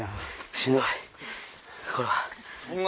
しんどい。